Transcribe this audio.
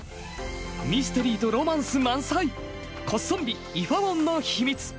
ミステリーとロマンス満載「コッソンビ二花院の秘密」。